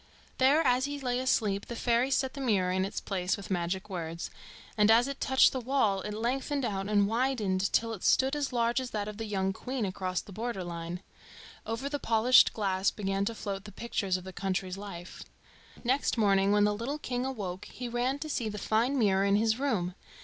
There as he lay asleep the fairies set the mirror in its place with magic words, and as it touched the wall it lengthened out and widened till it stood as large as that of the young queen across the border line. Over the polished glass began to float the pictures of the country's life. "How can I show my gratitude?" the Queen mother asked; but the fairies were gone. Next morning when the little king awoke he ran to see the fine new mirror in his room.